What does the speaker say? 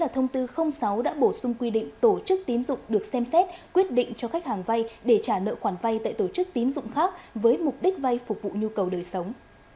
thông tư sáu đã bổ sung quy định tổ chức tín dụng được xem xét quyết định cho khách hàng vay để trả nợ khoản vay tại tổ chức tín dụng khác với mục đích vay phục vụ nhu cầu đời sống